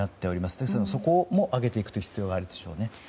ですのでそこも上げていく必要があるでしょうね。